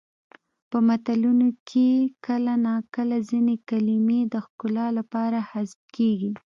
په متلونو کې کله ناکله ځینې کلمې د ښکلا لپاره حذف کیږي